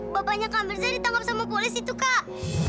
bapaknya kamerza ditangkap sama polis itu kak